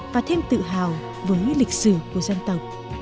và thêm tự hào với lịch sử của dân tộc